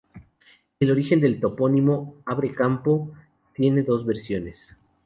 El origen del topónimo Abre-Campo tiene dos versiones.